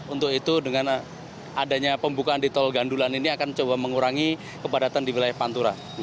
untuk itu dengan adanya pembukaan di tol gandulan ini akan coba mengurangi kepadatan di wilayah pantura